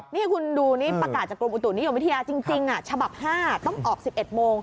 นี่คุณดูนี่ประกาศจากกรมอุตุนิยมวิทยาจริงฉบับ๕ต้องออก๑๑โมง